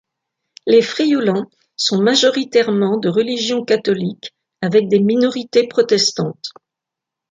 Les Frioulans sont majoritairement de religion catholique, avec des minorités protestantes.